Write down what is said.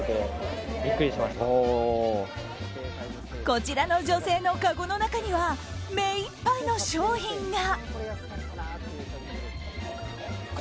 こちらの女性のかごには目いっぱいの商品が。